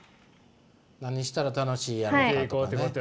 何したら楽しいやろかとかね。